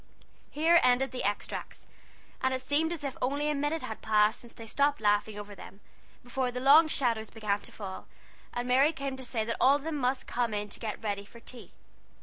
Here ended the extracts; and it seemed as if only a minute had passed since they stopped laughing over them, before the long shadows began to fall, and Mary came to say that all of them must come in to get ready for tea.